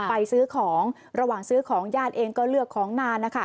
ไปซื้อของระหว่างซื้อของญาติเองก็เลือกของนานนะคะ